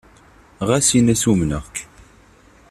Ɣas in-as umneɣ-k.